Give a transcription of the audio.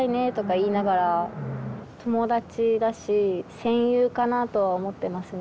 友達だし戦友かなとは思ってますね。